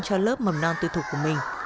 cho lớp mầm non tư thục của mình